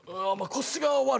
腰が悪い？